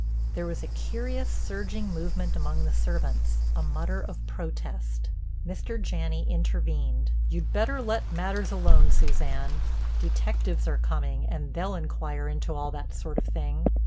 There was a curious, surging movement among the servants, a mutter of protest. Mr. Janney intervened: "You'd better let matters alone, Suzanne. Detectives are coming and they'll inquire into all that sort of thing."